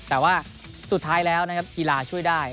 แต่ว่าสุดท้ายแล้วนะครับกีฬาช่วยได้